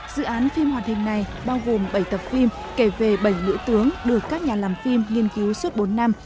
dự án phim hoạt hình này bao gồm bảy tập phim kể về bảy nữ tướng được các nhà làm phim nghiên cứu suốt bốn năm